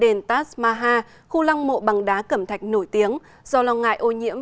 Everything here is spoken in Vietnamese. bảo vệ ngôi đền taj mahal khu lăng mộ bằng đá cẩm thạch nổi tiếng do lo ngại ô nhiễm